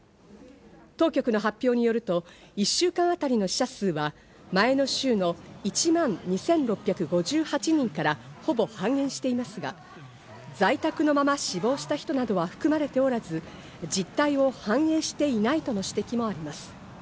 当局の発表によると、１週間あたりの死者数は前の週の１万２６５８人から、ほぼ半減していますが、在宅のまま死亡した人などは含まれておらず、実態を反映していないとの指摘もあります。